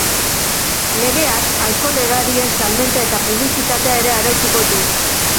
Legeak alkohol edarien salmenta eta publizitatea ere arautuko du.